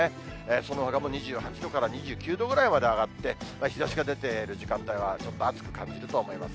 そのほかも２８度から２９度ぐらいまで上がって、日ざしが出ている時間帯はちょっと暑く感じると思います。